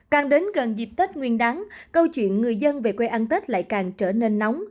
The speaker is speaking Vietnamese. càng đến gần dịp tết nguyên đáng câu chuyện người dân về quê ăn tết lại càng trở nên nóng